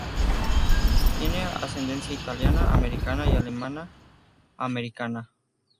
Tiene ascendencia italiana-americana y alemana-americana.